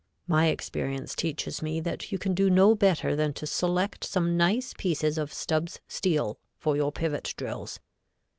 My experience teaches me that you can do no better than to select some nice pieces of Stubb's steel for your pivot drills.